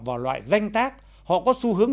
vào loại danh tác họ có xu hướng